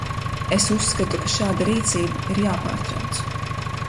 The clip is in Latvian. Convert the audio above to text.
Es uzskatu, ka šāda rīcība ir jāpārtrauc.